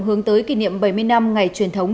hướng tới kỷ niệm bảy mươi năm ngày truyền thống